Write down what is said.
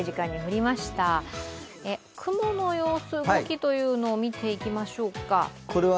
雲の様子、動きというのを見ていきましょうか。